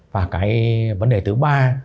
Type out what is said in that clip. và cái vấn đề thứ ba